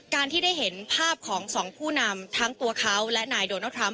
การที่ได้เห็นภาพของสองผู้นำทั้งตัวเขาและนายโดนัลดทรัมป